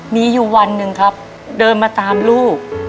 มีอยู่วันหนึ่งครับเดินมาตามลูก